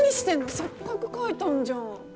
せっかく書いたんじゃん。